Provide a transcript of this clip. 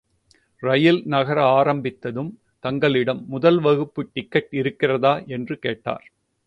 ரயில் நகர ஆரம்பித்ததும் தங்களிடம் முதல் வகுப்பு டிக்கட் இருக்கிறதா? என்று கேட்டார்.